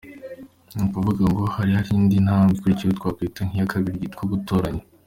Ni ukuvuga ngo hano hari indi ntabwe ikurikiraho twakwita nk’iya kabiri yitwa gutoranywa.